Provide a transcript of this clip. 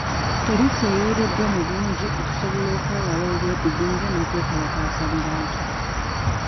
Poliisi eyiriddwa mu bungi okusobola okwewala obwegugungo n'okwekalakaasa mu bantu.